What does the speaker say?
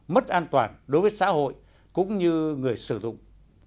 mất an toàn đối với xã hội cũng như người sử dụng